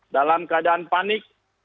dalam keadaan panik